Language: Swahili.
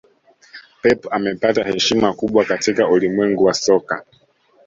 Pep amepata heshima kubwa katika ulimwengu wa soka